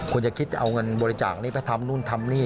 คุณจะคิดเอาเงินบริจาคนี้ไปทำนู่นทำนี่